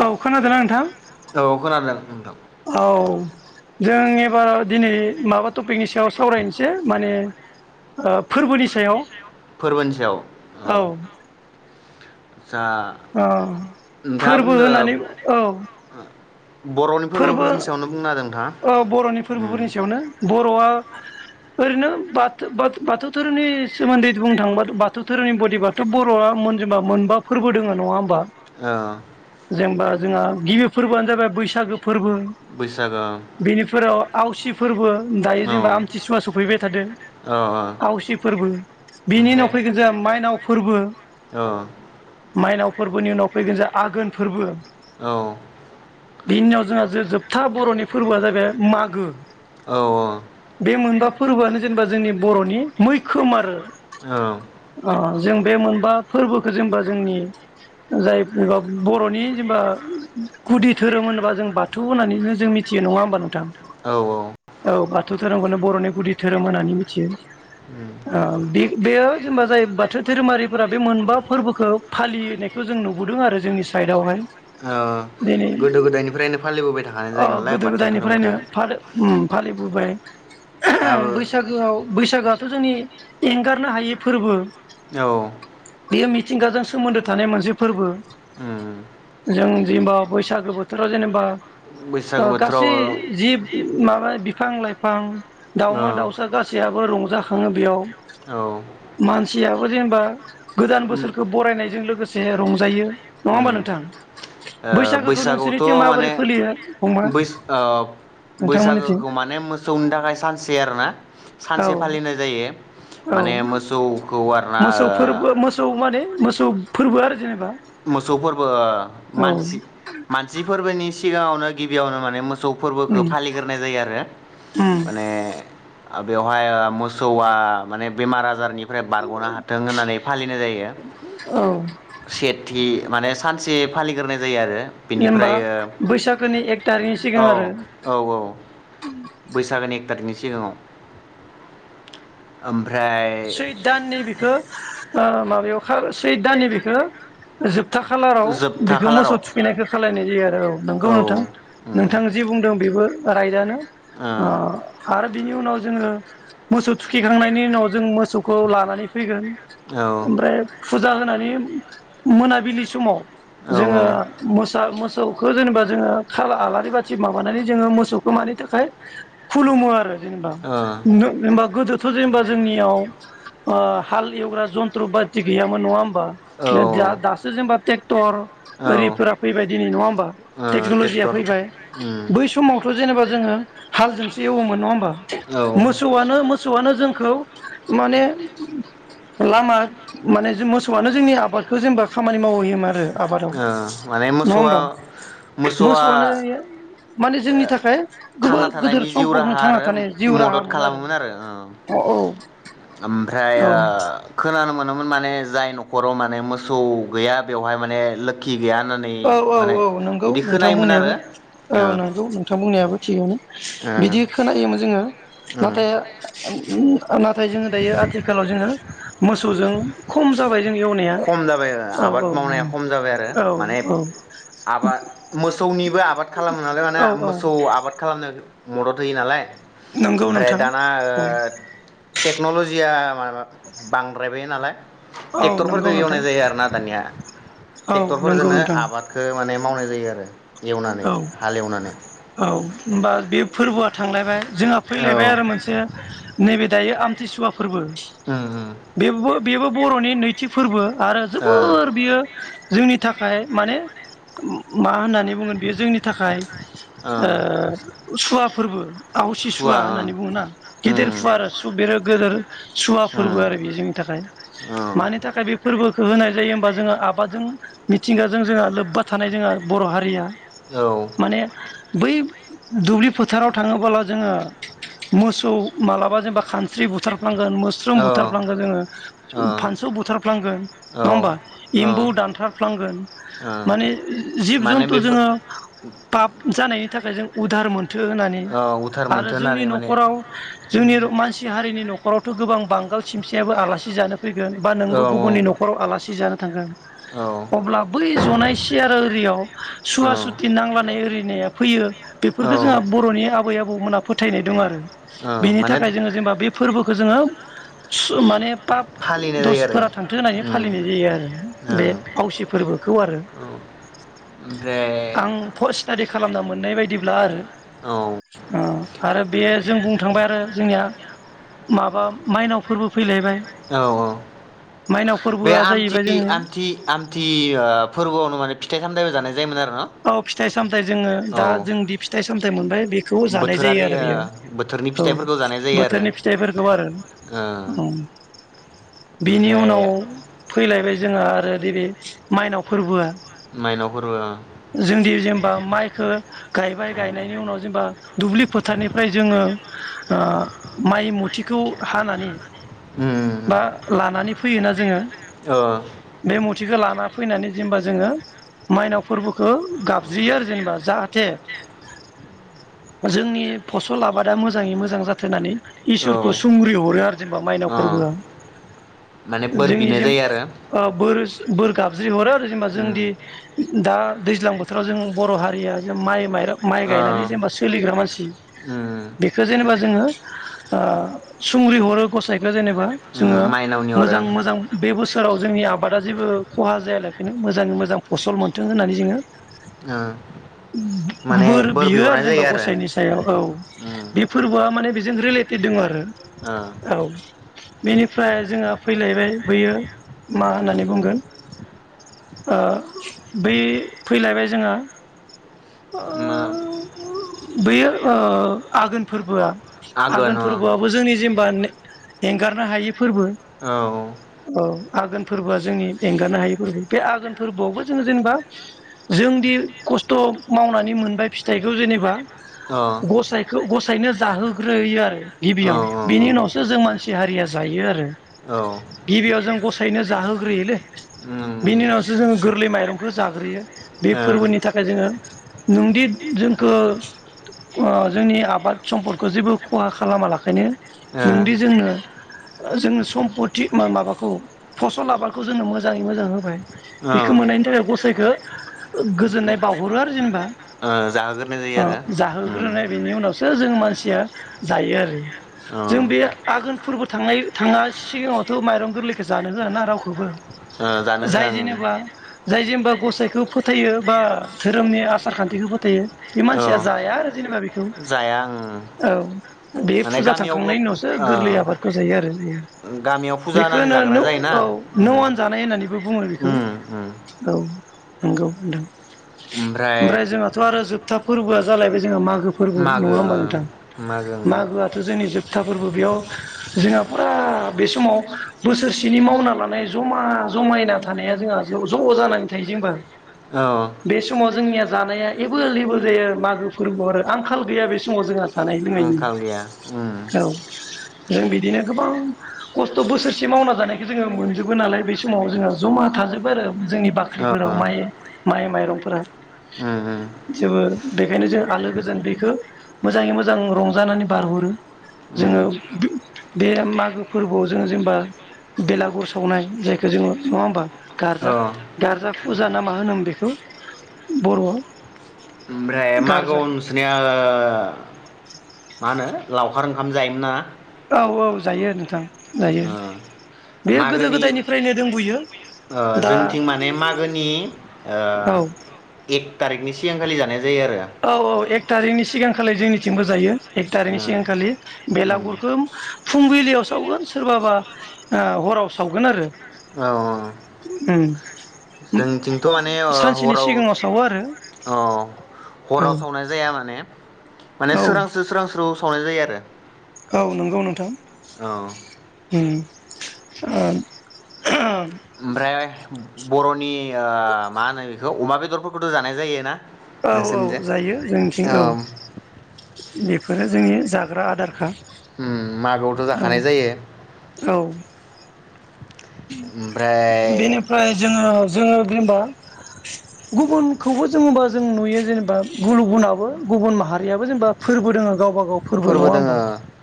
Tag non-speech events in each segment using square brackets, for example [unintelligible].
औ खोनादोंना नोंथां औ खोनादो नोंथां। औ जों एबाराव दिनै माबा टपिकनि सायाव सावरायनसै माने ओ फोरबोनि सायाव फोरबोनि सायाव औ जा आ नोंथाङा फोरबो बुंदो होनानै औ बर'नि फोरबो फोरबोफोरनि सायावनो बुंना होदों ओ नोंथाङा बर'नि उम फोरबोफोरनि सायावनो बर'आ ओरैनो बाथ-बाथो-बाथौ धोरोमनि सोमोन्दै बुंनो थाङोबा बाथौ धोरोमनि बदिबाथ बर'आ मोनजेबा मोनबा फोरबो दोङो। नङा होमबा? ओ जेनेबा जोंहा गिबि फोरबोआनो जाबाय बैसागो फोरबो बैसागो बेनिफोराव आवसि फोरबो दायो औ जेनबा आमथिसुवा सफैबाय थादो औ आवसि फोरबो बिनि उनाव ओमफ्राय फैगोन जोंहा माइनाव फोरबो औ माइनाव फोरबोनि उनाव फैगोन जोया आघोन फोरबो औ बिनिआव जोंहा जो जोबथा बर'नि फोरबोआ जागोन मागो औ औ बे मोनबा फोरबोआनो जेनेबा जोंनि बर'नि मैखोम आरो औ ओ जों बे मोनबा फोरबोखौ जेनेबा जोंनि जाय बर'नि जेनेबा गुदि धोरोम होनबा जों बाथौ होनानैनो जों मिथियो नङा होमबा नोंथां औ औ औ बाथौ धोरोमखौनो बर'नि गुदि धोरोम होननानै मिथियो उम ओ बे बेयो जेनेबा जाय बाथौ धोरोमारिफोरा बे मोनबा फोरबोखौ फालिनायखौ जों नुबोदों आरो जोंनि साइदावहाय ओ गोदो गोदायनिफ्रायनो फा अ गोदो गोदायनिफ्रायनो फालो उम फालि फालिबोबाय आबो बैसागोआव बैसागोआ थ' जोंनि एंगारनो हायै फोरबो औ बेयो मिथिंगाजों सोमोन्दो थानाय मोनसे फोरबो उम जों जेनेबा बैसागो बोथोराव जेनेबा बैसागो बोथोराव गासै जि माबा बिफां-लाइफां ओ दावमा दाउसा गासैयाबो रंजायो जाखाङो बेयाव औ मानसियाबो जेनेबा गोदान उम बोसोरखौ बरायनायजों लोगोसे एसे रंजायो नङा होमबा उम नोंथां ओ बैसागोखौ बैसागआवथ' नोंसोरनिथिं माने माबोरै सोलियो फंबाय अ नोंथांमोननिथिं बैसागोखौ माने मोसौनि थाखाय सानसे आरोना औ सानसे फालिनाय जायो औ माने मोसौखौ आरोना मोसौ फोरबो मोसौ माने मोसौ फोरबो आरो जेनेबा मोसौ फोरबो औ मानसि उम मानसि फोरबोनि सिगाङाव गिबियावनो माने मो मोसौ फोरबोखौ फालिग्रोनाय जायो आरो उम माने बेवहाय आ मोसौआ माने बेमार आजारनि ओमफ्राय बारग'नो हाथों होननानै फालिनाय जायो औ सेट माने सानसे फालिग्रोनाय जायो आरो जेनबा बेनिफ्राय बैसागोनि एक थारिखनि सिगां ओ आरो औ औ [unintelligible] सिगाङाव ओम सुइदाननि बेखौ ओ माबायाव सै दाननि बेखो जोब जोबथा खालाराव जोबथा बेखौ खालाराव मोसौ थुखैनायखौ खालायनाय जायो आरो औ नंगौ नोंथां उम नोंथां जि बुंदों बेबो रायदयानो ओ अ आरो बिनि उनाव जोङो मोसौ थुखिखांनायनि उनाव जों मोसौखौ लानानै फैगोन ओमफ्राय फुस फुजा होनानै मोनाबिलि समाव औ जोङो मोसा मोसौ खौ जेनेबा जोङो खाला आलारि बाथि माबानानै जोङो मोसौखौ मानि थाखाय खुलुमो आरो जेनबा ओ औ जेनबा गोदो बेथ जेनबा जोंनियाव ओ हाल एवग्रा जन्थ्र बाटि गैयामोन नङा ओ जा दासो जेनेबा ट्रेक्टर औ ओ होरिफोरा फैबाय दिनै नङा होमबा टेकनलजिया ट्रेक्टर फैबाय उम बै समावथ जेनेबा जोङो हालजोंसो एवोमोन नङा होबा औ ओ मोसौआनो मोसौआनो जोंखौ माने लामा माने मोसौआनो जोंनि आबादखौ जेनेबा खामानि मावहैयोमोन आरो आबादाव माने नङा मोसौआ होमबा मोसौआ मोसौआनो माने जोंनि थाखाय थांना गोबोर गिदोर थानायनि जिउ सम्पटनो राहा थांना आरो थानाय जिउ मदद राहामोन आरो औ औ ओमफ्रायो खो खोनानो मोनोमोन माने जाय नखराव माने मोसौ गैया बेवहाय माने लोखि गैया होननानै औ औ माने औ नंगौ बिदि नोंथां खोनायोमोन आरो बुंनायाबो औ ओ नंगौ नोंथां बुंनायाबो थिगानो बिदि ओ खोनायोमोन जोङो ओ नाथाय नाथाय जोङो दायो आथिखालाव जोङो मोसौजों खम जाबाय जोंनि एवनाया खम जाबाय औ आबाद औ मावनाया खम जाबाय आरो औ माने आबाद मोसौनिबो आबाद खालामो नालाय माने औ औ मोसौ आबाद खालामनो मदद होयो नालाय नंगौ ओमफ्राय नोंथां दाना औ टेक्नलजिया बांद्रायबाय नालाय औ नंगौ ट्रेक्टरफोरजों नोंथां एवनाय जायो आरो ना दानिया औ ट्रेक्टर नंगौ फोरजोंनो नोंथां आबादखौ माने मावनाय जायो [unintelligible] औ हालेवनानै औ होनबा बे फोरबोआ थांलायबाय जोंहा फैलायबाय औ आरो मोनसे नैबे दायो आमथिसुवा फोरबो उम उम बेवबो बेबो बर'नि नैथि फोरबो आरो ओ जोबोर बियो जोंनि थाखाय माने मा होननानै बेयो जोंनि थाखाय ओ सुवा फोरबो आवसि सुवा होननानै बुङा ओ गेदेर उम सुवा आरो बे गेदेर सुवा फोरबो उम आरो बेयो जोंनि थाखाय मानि औ थाखाय बे फोरबोखौ होनाय जायो हबा जोङो आबादजों मिथिंगाजों जोंहा लोब्बा थानाय जोंहा बर' हारिया औ माने बै दुब्लि फोथाराव थाङोबोला जोङो मोसौ मालाबा जेनेबा खानस्रि बुथार फफ्लांगोन मोस्रोम औ बुथारफ्लांगोन ओ जोङो औ फानसौ बुथारफ्लांगोन नङा होमबा ओ एम्बौ दानथारफ्लांगोन ओ माने जिब माने जन्थु बेफोर जोङो पाब जानायनि थाखाय जों उदाहार मोन फाथो होनानै औ उधार आरो मोनथो जोंनि होननानै माने न'खराव जोंनि मानसि हारिनि न'खराव थ गोबां बांगाल सिमसायाबो आलासि जानो फैगोन बा औ नोंबो गुबुननि न'खाव आलासि जानो थांगोन औ अब्ला बै जनाय सियार आरियाव सुवा औ सु दि नांलानाय एरिनाया फैयो औ बेफोरखौ जोंहा बर'नि आबै आब आबौमोनहा फोथायनाय दं आरो औ बिनि माने थाखाय जोङो जेनेबा बे फोरबो खो जोङो माने पाब फालिनाय जायो आरो दसफोरा थांथो होननानै उम फालिनाय जायो आरो बे ओं आवसि फोरबोखौ आरो औ ओमफ्राय आं पस्ट स्टाडि खालामना मोननाय बायदि ब्ला आरो औ ओ आरो बे जों बुंनो थांबाय आरो जोंनिया माबा माइनावफोरबो फैलायबाय औ औ माइनाव बे फोरबोआ जाहैबाय जोङो आमथि-आमथि-आमथि ओ फोरबोआवनो माने फिथाइ सामथायबो जानाय जायोमोन आरो न औ फिथाइ सामथायाइ जोङो औ दा जोंदि फिथाइ सामथायाइ मोनबाय बेखौ जानाय जायो बोथोरारि आरो ओ बोथोरनि बेयाव औ फिथाइफोरखौ जानाय जायो आरो बोथोरनि फिथाइफोरखौ आरो ओ औ बिनि ओमफ्राय उनाव फैलायबाय जोंहा आरो नैबे माइनाव फोरबोआ माइनाव फोरबो ओं जोंदि जेनेबा माइखौ गायबाय गायनायनि उनाव जेनेबा दुब्लि फोथारनिफ्राय जोङो माइ मुथिखौ हानानै उम बा लानानै फैयोना जोङो उम ओ बे मुथिखौ लाना फैनानै जेमबा जोङो माइनाव फोरबोखौ गाबज्रियो आरो जेनेबा जाहाथे जोंनि फसल आबादा मोजाङै मोजां जाथोंनानै इसोरखौ सुंग्रि हरो आरो जेनेबा मायनाव औ अ फोरबोआ माने बोर जोंनि बिनाय जों जायो आरो बोर बोर गाब जि हरो जेनेबा उम जोंदि दा दैज्लां बोथोराव जों बर' हारिया जे माइ माइरं माइ ओ गायनानै जेनेबा सोलिग्रा मानसि उम बेखौ जेनेबा जोङो ओ सुंग्रि हरो गसाइखो जेनेबा ओ जोङो माइनावनियाव आरो मोजां मोजां बे बोसोराव जोंनि आबादा जेबो खहा जायालाय बिनो मोजाङै मोजां फसल मोन होननानै जोङो ओ माने बोर बियो आरो बिहरनाय जेनेबा जायो गसाइनि सायाव औ बे उम फोरबोआ माने बे जों रिलेटेद दङ आरो ओ औ बेनिफ्राय जोंहा फैलायबाय बैयो मा होननानै बुंगोन बै फैलायबाय जोङा मा बेयो ओ आघोन फोरबोआ आघोन फोरबोआबो जोंनि जेनेबा एंगारनो हायि फोरबो औ औ आघोन फोरबोआ जोंनि एंगारनो हायि फोरबो बे आघोन फोरबोआवबो जोङो जेनेबा जोंदि खस्थ' मावनानै मोनबाय फिथाइखौ जेनेबा अ गसाइखौ गसाइ बेनिफाइनो जाहोग्रोहोयो आरो औ गिबियाव औ उम बिनि उनावसो जों मानसि हारिया जायो आरो गिबियाव जों गसायनो जाहोग्रोयोलै बिनि उनावसो जोङो गोर माइरंखौ जाग्रोयो बे ओ फोरबोनि थाखाय जोङो नोंदि जोंखौ जोंनि आबाद सम्पदखौ जेबो खहा खालामा लाखायनो नोंदि जोंनो जोंनो सम्पति माबाखौ फसल आबादखौ जोंनो मोजाङै मोजां होबाय ओ बेखौ मोननायनि थाखाय गसाइखो गोजोननाय बाउहरो आरो जेनेबा ओ जाहोग्रोनाय जायो आरो उम जाहोग्रोनाय बेनि उनावसो जों मानसिया जायो आरो औ जों बे आघोन फोरबो थांनाय थाङा सिगाङावथ' माइरं गोरलैखौ जानो होआना रावखौबो जानो हो जाय ओं जेनेबा जाय जेनेबा गसाइखौ फोथायो बा धोरोमनि आसार खान्थिखौ फोथाय बे औ मानसिया जाया आरो जेनेबा बेखौ जाया आं औ बे माने फुजा गामियावबो थांखांनायनि उनावसो ओ गोरलै आबादखौ जायो आरो गामियाव फुजा बेखौ होनानै होनो जाग्रा नौ जायोना औ नौ उम आन जानाय होननानैबो बुङो बेखौ उम उम औ नंगौ नोंथां ओमफ्राय जोंहाथ आरो जोबथा फोरबोआ जालायबाय जोङा मागो मागो फोरबो नङा मागो ओ होमबा नोंथां मागो मागोआथ जोंनि जो खोथा फोरबो बेयाव जोंहा फुरा बे समाव बोसोरसेनि मावना लानाय जमा जमायना थानाया जोंहा ज ज जानानै थायो जोंबा औ बे समाव जोंनिया जानाया एबोल लेबोल जायो आरो मागो फोरबोआव आरो आंखाल गैया बे समाव जोंहा जानाय लोंनायनि आंखाल गैया उम औ नों बिदिनो गोबां खस्थ बोसोरसे मावना जानायखो जोङो मोनजोबो नालाय बे समाव जोंहा जमा थाजोब बोरो? जोंनि औ बाख्रिफोराव माइ माइ माइरंफोरा उम उम जेबो बेखायनो जों आलो गोजान बिखो मोजाङै मोजां रंजानानै बारहरो उम जोङो बे मागो फोरबोआव जोङो जों बा बेलागुर सावनाय जायखौ जोङो नङा होमबा औ गारजा गारजा फुजा ना मा होनोमोन बेखौ बर'आव ओमफ्राय मागो गारजा आव नोंसिनिया [inaudible] मा होनो लावखार ओंखाम जायोमोन ना औ औ जायो नोंथां। जायो ओ बेयो गोदो मागोनि गोदायनिफ्रायनो दंबोयो ओ दा जोंथिं माने मागोनि ओ औ एक थारिखनि सि [unintelligible] जानाया औ औ एक थारिखनि सिगांखालि जोंनि बिथिंबो जायो एक थारिनि ओ सिगांखालि उम बेलागुरखो फुंबिलियाव सावगोन सोरबाबा आ हराव सावगोन आरो औ औ उम जोंथिंथ माने ओ सानसेनि हराव सिगाङाव सावो आरो अ औ अराव सावनाय जाया माने माने औ सोरां सु सोरां सु [inaudible] संनाय जायो आरो औ नोंगौ नोंथां औ उम आ [unintelligible] ओमफ्राय बर'नि ओ मा होनो बेखौ अमा बेदरफोरखौथ' जानाय जायोना? औ औ जायो जोंथिं औ बेफोरो जोंनि जाग्रा आदार का मागोआवथ' जाखानाय जायो औ ओमफ्राय बेनिफ्राय जोङो जोङो [unintelligible] गुबुनखौबो जोंबा जों नुयो जेनेबा गुबुन गुबुनाबो गुबुन माहारियाबो जेनेबा फोरबो दोङो गावबा गाव फोरबो नङा होमबा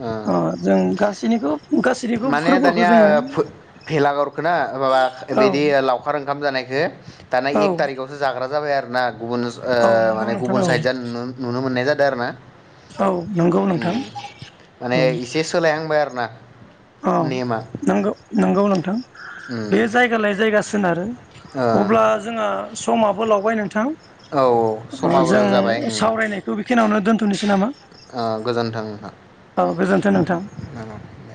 ओ अ जों गासैनिखौ गासैनिखौ फोरबोखौ जोङो भेलागर खोना माबा औ बिदि लावखार ओंखाम जानायखो दाना औ एक थारिखकआवसो जाग्रा जाबाय आरो ना गुबुन ओ औ नंगौ माने नोंथां गुबुन औ साइद जा नुनो मोननाय जादों आरो ना औ नंगौ नोंथां ओम माने इसे सोलायहांबाय आरो ना अ नेमा नंगौ नंगौ नोंथां उम बे जायगा लायै जायगा सोनारो ओ अब्ला जोंहा समाबो लावबाय नोंथां औ ओ समाबो जों जाबाय उम सावरायनायखौ बेखिनियावनो दोन दोननोसै नामा? ओ गोजोन्थों औ गोजोनथों नोंथां नोंथां